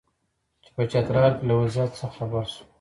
چې په چترال کې له وضعیت څخه خبر شو.